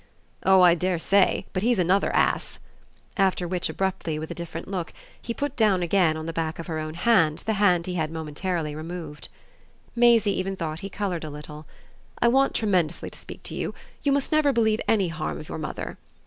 "Oh I dare say! But he's another ass." After which abruptly, with a different look, he put down again on the back of her own the hand he had momentarily removed. Maisie even thought he coloured a little. "I want tremendously to speak to you. You must never believe any harm of your mother."